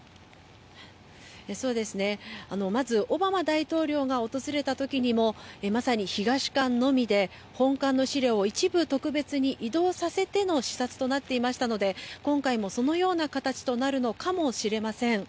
まずオバマ大統領が訪れた時にもまさに東館のみで、本館の資料を一部、特別に移動させての視察となっていましたので今回も、そのような形となるのかもしれません。